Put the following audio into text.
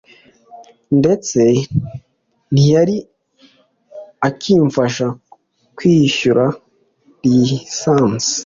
ndetse ntiyari akimfasha kwishyura lisansi